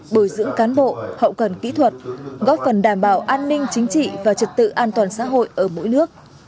bồi dưỡng cán bộ hậu cần kỹ thuật góp phần đảm bảo an ninh chính trị và trật tự an toàn xã hội ở mỗi nước